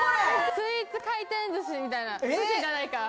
スイーツ回転寿司みたいな寿司じゃないか。